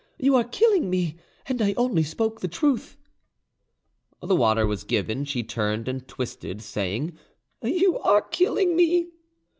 you are killing me! And I only spoke the truth.' "The water was given: she turned and twisted, saying, 'You are killing me!